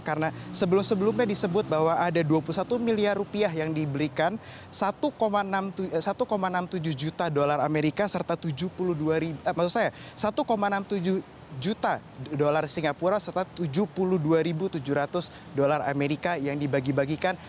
karena sebelum sebelumnya disebut bahwa ada dua puluh satu miliar rupiah yang diberikan satu enam puluh tujuh juta dolar amerika serta tujuh puluh dua ribu dolar singapura serta tujuh puluh dua tujuh ratus dolar amerika yang dibagi bagikan